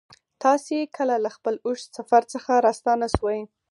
تاسې کله له خپل اوږد سفر څخه راستانه سوئ؟